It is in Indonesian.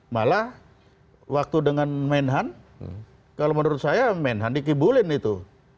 malah waktu dengan menhan kalau menurut saya menhan dikibulin itu